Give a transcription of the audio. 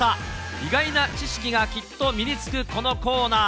意外な知識がきっと身につくこのコーナー。